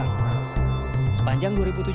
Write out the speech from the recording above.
dan juga dipandang masih kurang